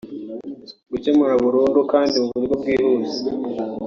Gukemura burundu kandi mu buryo bwihuse